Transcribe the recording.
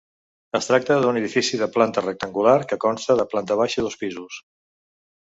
Es tracta d'un edifici de planta rectangular que consta de planta baixa i dos pisos.